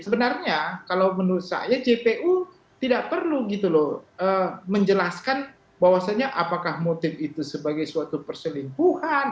sebenarnya kalau menurut saya jpu tidak perlu gitu loh menjelaskan bahwasannya apakah motif itu sebagai suatu perselingkuhan